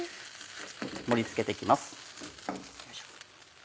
盛り付けて行きます。